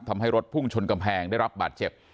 ทำให้รถพุ่งชนกำแพงได้รับบาดเจ็บ